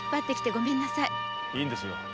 いいんですよ